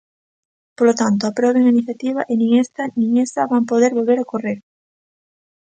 Polo tanto, aproben a iniciativa e nin esta nin esa van poder volver ocorrer.